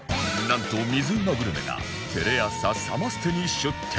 なんと水うまグルメがテレ朝サマステに出店